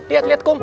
lihat lihat kum